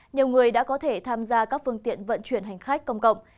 nhiều người đã có thể tham gia các phương tiện vận chuyển hành khách công cộng